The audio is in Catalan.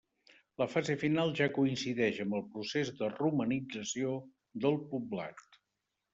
La fase final ja coincideix amb el procés de romanització del poblat.